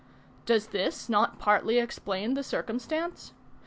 Does this not partly explain the circumstance?